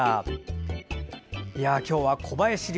今日は小林流！